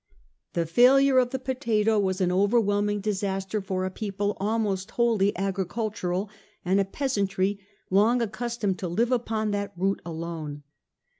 The failure of the potato was an overwhelming disaster for a people almost wholly agricultural and a peasantry long accustomed to Eve upon that root alone.